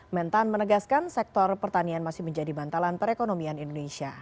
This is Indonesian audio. mentan menegaskan sektor pertanian masih menjadi bantalan perekonomian indonesia